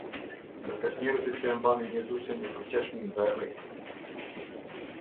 Ndërkaq njerëzit që e mbanin Jezusin e përqeshnin dhe e rrihnin.